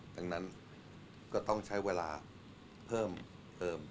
ดังนั้นก็ต้องใช้เวลาเพิ่มเติม